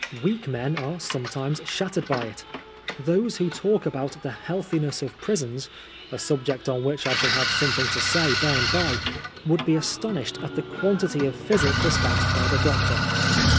Weak men are sometimes shattered by it. Those who talk about the healthiness of prisons (a subject on which I shall have something to say by and bye) would be astonished at the quantity of physic dispensed by the doctor.